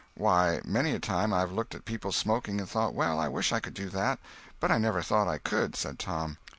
"Why, many a time I've looked at people smoking, and thought well I wish I could do that; but I never thought I could," said Tom.